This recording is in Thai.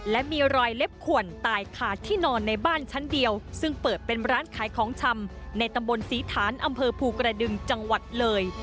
และมีรอยเล็บขวนตายขาดที่นอนในบ้านชั้นเดียวซึ่งเปิดเป็นร้านขายของชำในตำบลศรีฐานอำเภอภูกระดึงจังหวัดเลย